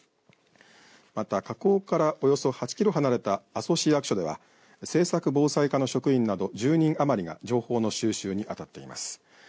また、火口からおよそ８キロ離れた阿蘇市役所では政策防災課の職員など１０人余りが情報の収集にあたっています。